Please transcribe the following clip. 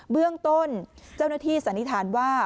เบื้องต้นเจ้าหน้าที่สันนิษฐานว่า